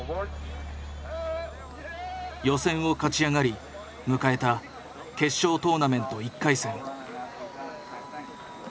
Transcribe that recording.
予選を勝ち上がり迎えた決勝トーナメント１回戦。